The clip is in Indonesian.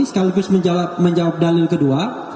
sekaligus menjawab dalil kedua